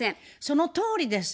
そのとおりです。